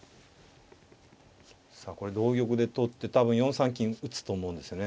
さあこれ同玉で取って多分４三金打つと思うんですよね。